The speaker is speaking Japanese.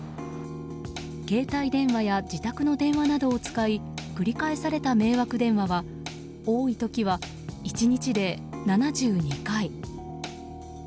携帯電話や自宅の電話などを使い繰り返された迷惑電話は多い時は、１日で７２回。